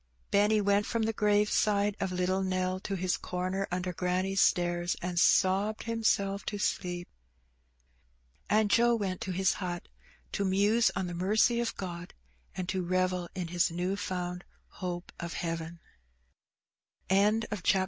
Benny went from the grave side of little Nell to his comer under granny^s stairs, and sobbed himself to sleep. And Joe went to his hut to muse on the mercy of Gx>d, and to revel in his new found hope of heaven. CHAPTER XIII.